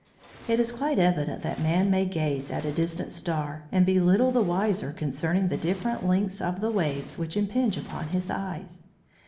It is quite evident that man may gaze at a distant star and be little the wiser concerning the different lengths of the waves which impinge upon his eyes.